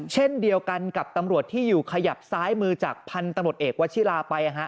เช่นเดียวกันกับตำรวจที่อยู่ขยับซ้ายมือจากพันธุ์ตำรวจเอกวัชิลาไป